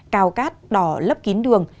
cào cát đỏ lấp kín đường